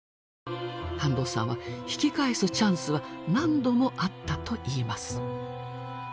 半藤さんは引き返すチャンスは何度もあったといいます。